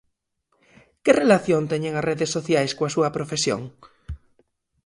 Que relación teñen as redes sociais coa súa profesión?